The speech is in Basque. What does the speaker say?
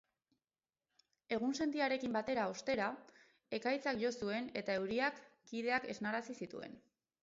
Egunsentiarekin batera, ostera, ekaitzak jo zuen eta euriak kideak esnarazi zituen.